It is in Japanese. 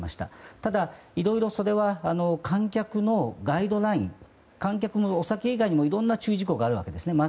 ただ、それはいろいろ観客のガイドラインお酒以外にも、いろんな注意事項があるわけですね。